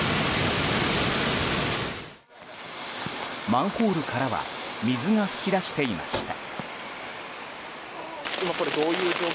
マンホールからは水が噴き出していました。